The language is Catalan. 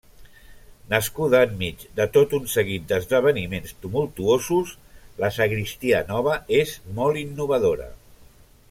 Nascuda enmig de tot un seguit d'esdeveniments tumultuosos, la Sagristia Nova és molt innovadora.